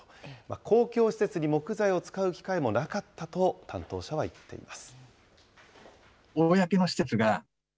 公共施設に木材を使う機会もなかったと担当者は言っています。